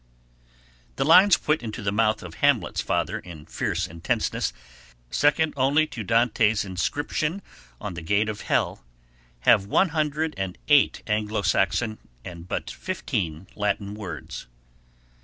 The lines put into the mouth of Hamlet's father in fierce intenseness, second only to Dante's inscription on the gate of hell, have one hundred and eight Anglo Saxon and but fifteen Latin words.